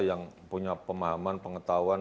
yang punya pemahaman pengetahuan